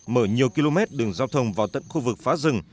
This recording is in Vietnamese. mở nhiều km đường giao thông vào tận khu vực phá rừng